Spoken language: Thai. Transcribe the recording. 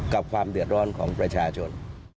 ความเดือดร้อนของประชาชน